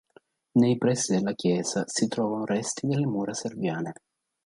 Nei pressi della chiesa si trovano resti delle mura serviane.